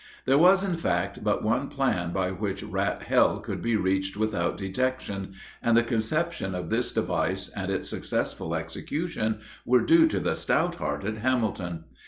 There was, in fact, but one plan by which Rat Hell could be reached without detection, and the conception of this device and its successful execution were due to the stout hearted Hamilton.